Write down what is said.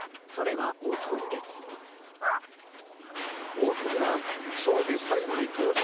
おおトリはショーでさいごにとうじょうする